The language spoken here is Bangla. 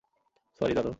স্যরি, দাদু!